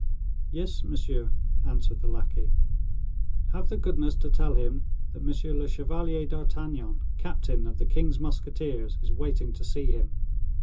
"Yes, monsieur," answered the lackey. "Have the goodness to tell him that M. le Chevalier d'Artagnan, captain of the king's musketeers, is waiting to see him."